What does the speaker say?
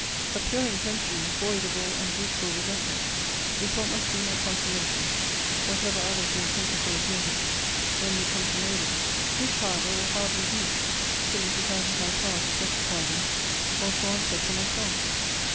A pure intention, void of all undutiful resentment, is what must be my consolation, whatever others may think of those measures, when they come to know them: which, however, will hardly be till it is out of my power to justify them, or to answer for myself.